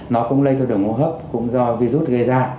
nó cũng lây theo đường hô hấp cũng do virus gây ra